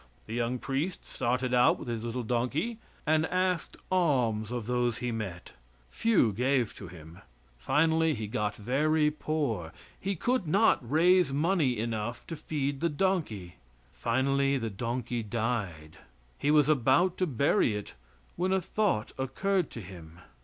The young priest started out with his little donkey, and asked alms of those he met. Few gave to him. Finally he got very poor. He could not raise money enough to feed the donkey. Finally the donkey died; he was about to bury it when a thought occurred to him.